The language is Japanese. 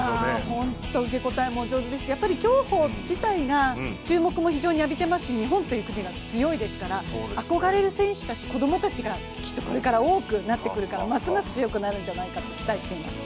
本当、受け答えもお上手ですしやっぱり競歩自体が注目も非常に浴びてますし日本という国が強いですから、憧れる選手たち子供たちがきっとこれから多くなってくるからますます強くなるんじゃないかと期待しています。